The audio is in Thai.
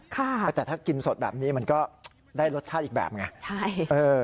ค่ะแต่ถ้ากินสดแบบนี้มันก็ได้รสชาติอีกแบบไง